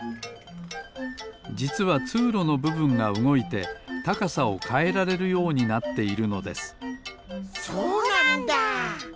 じつはつうろのぶぶんがうごいてたかさをかえられるようになっているのですそうなんだ！